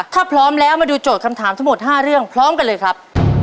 ถ้าพร้อมแล้วมาดูโจทย์คำถามทั้งหมด๕เรื่องพร้อมกันเลยครับ